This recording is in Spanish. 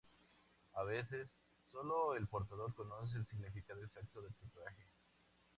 A veces, sólo el portador conoce el significado exacto del tatuaje.